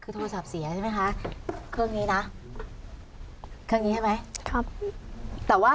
โทรศัพท์เสียใช่ไหมคะ